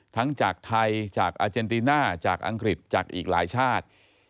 ทั้งจากไทยจากอาเจนติน่าจากอังกฤษจากอีกหลายชาติ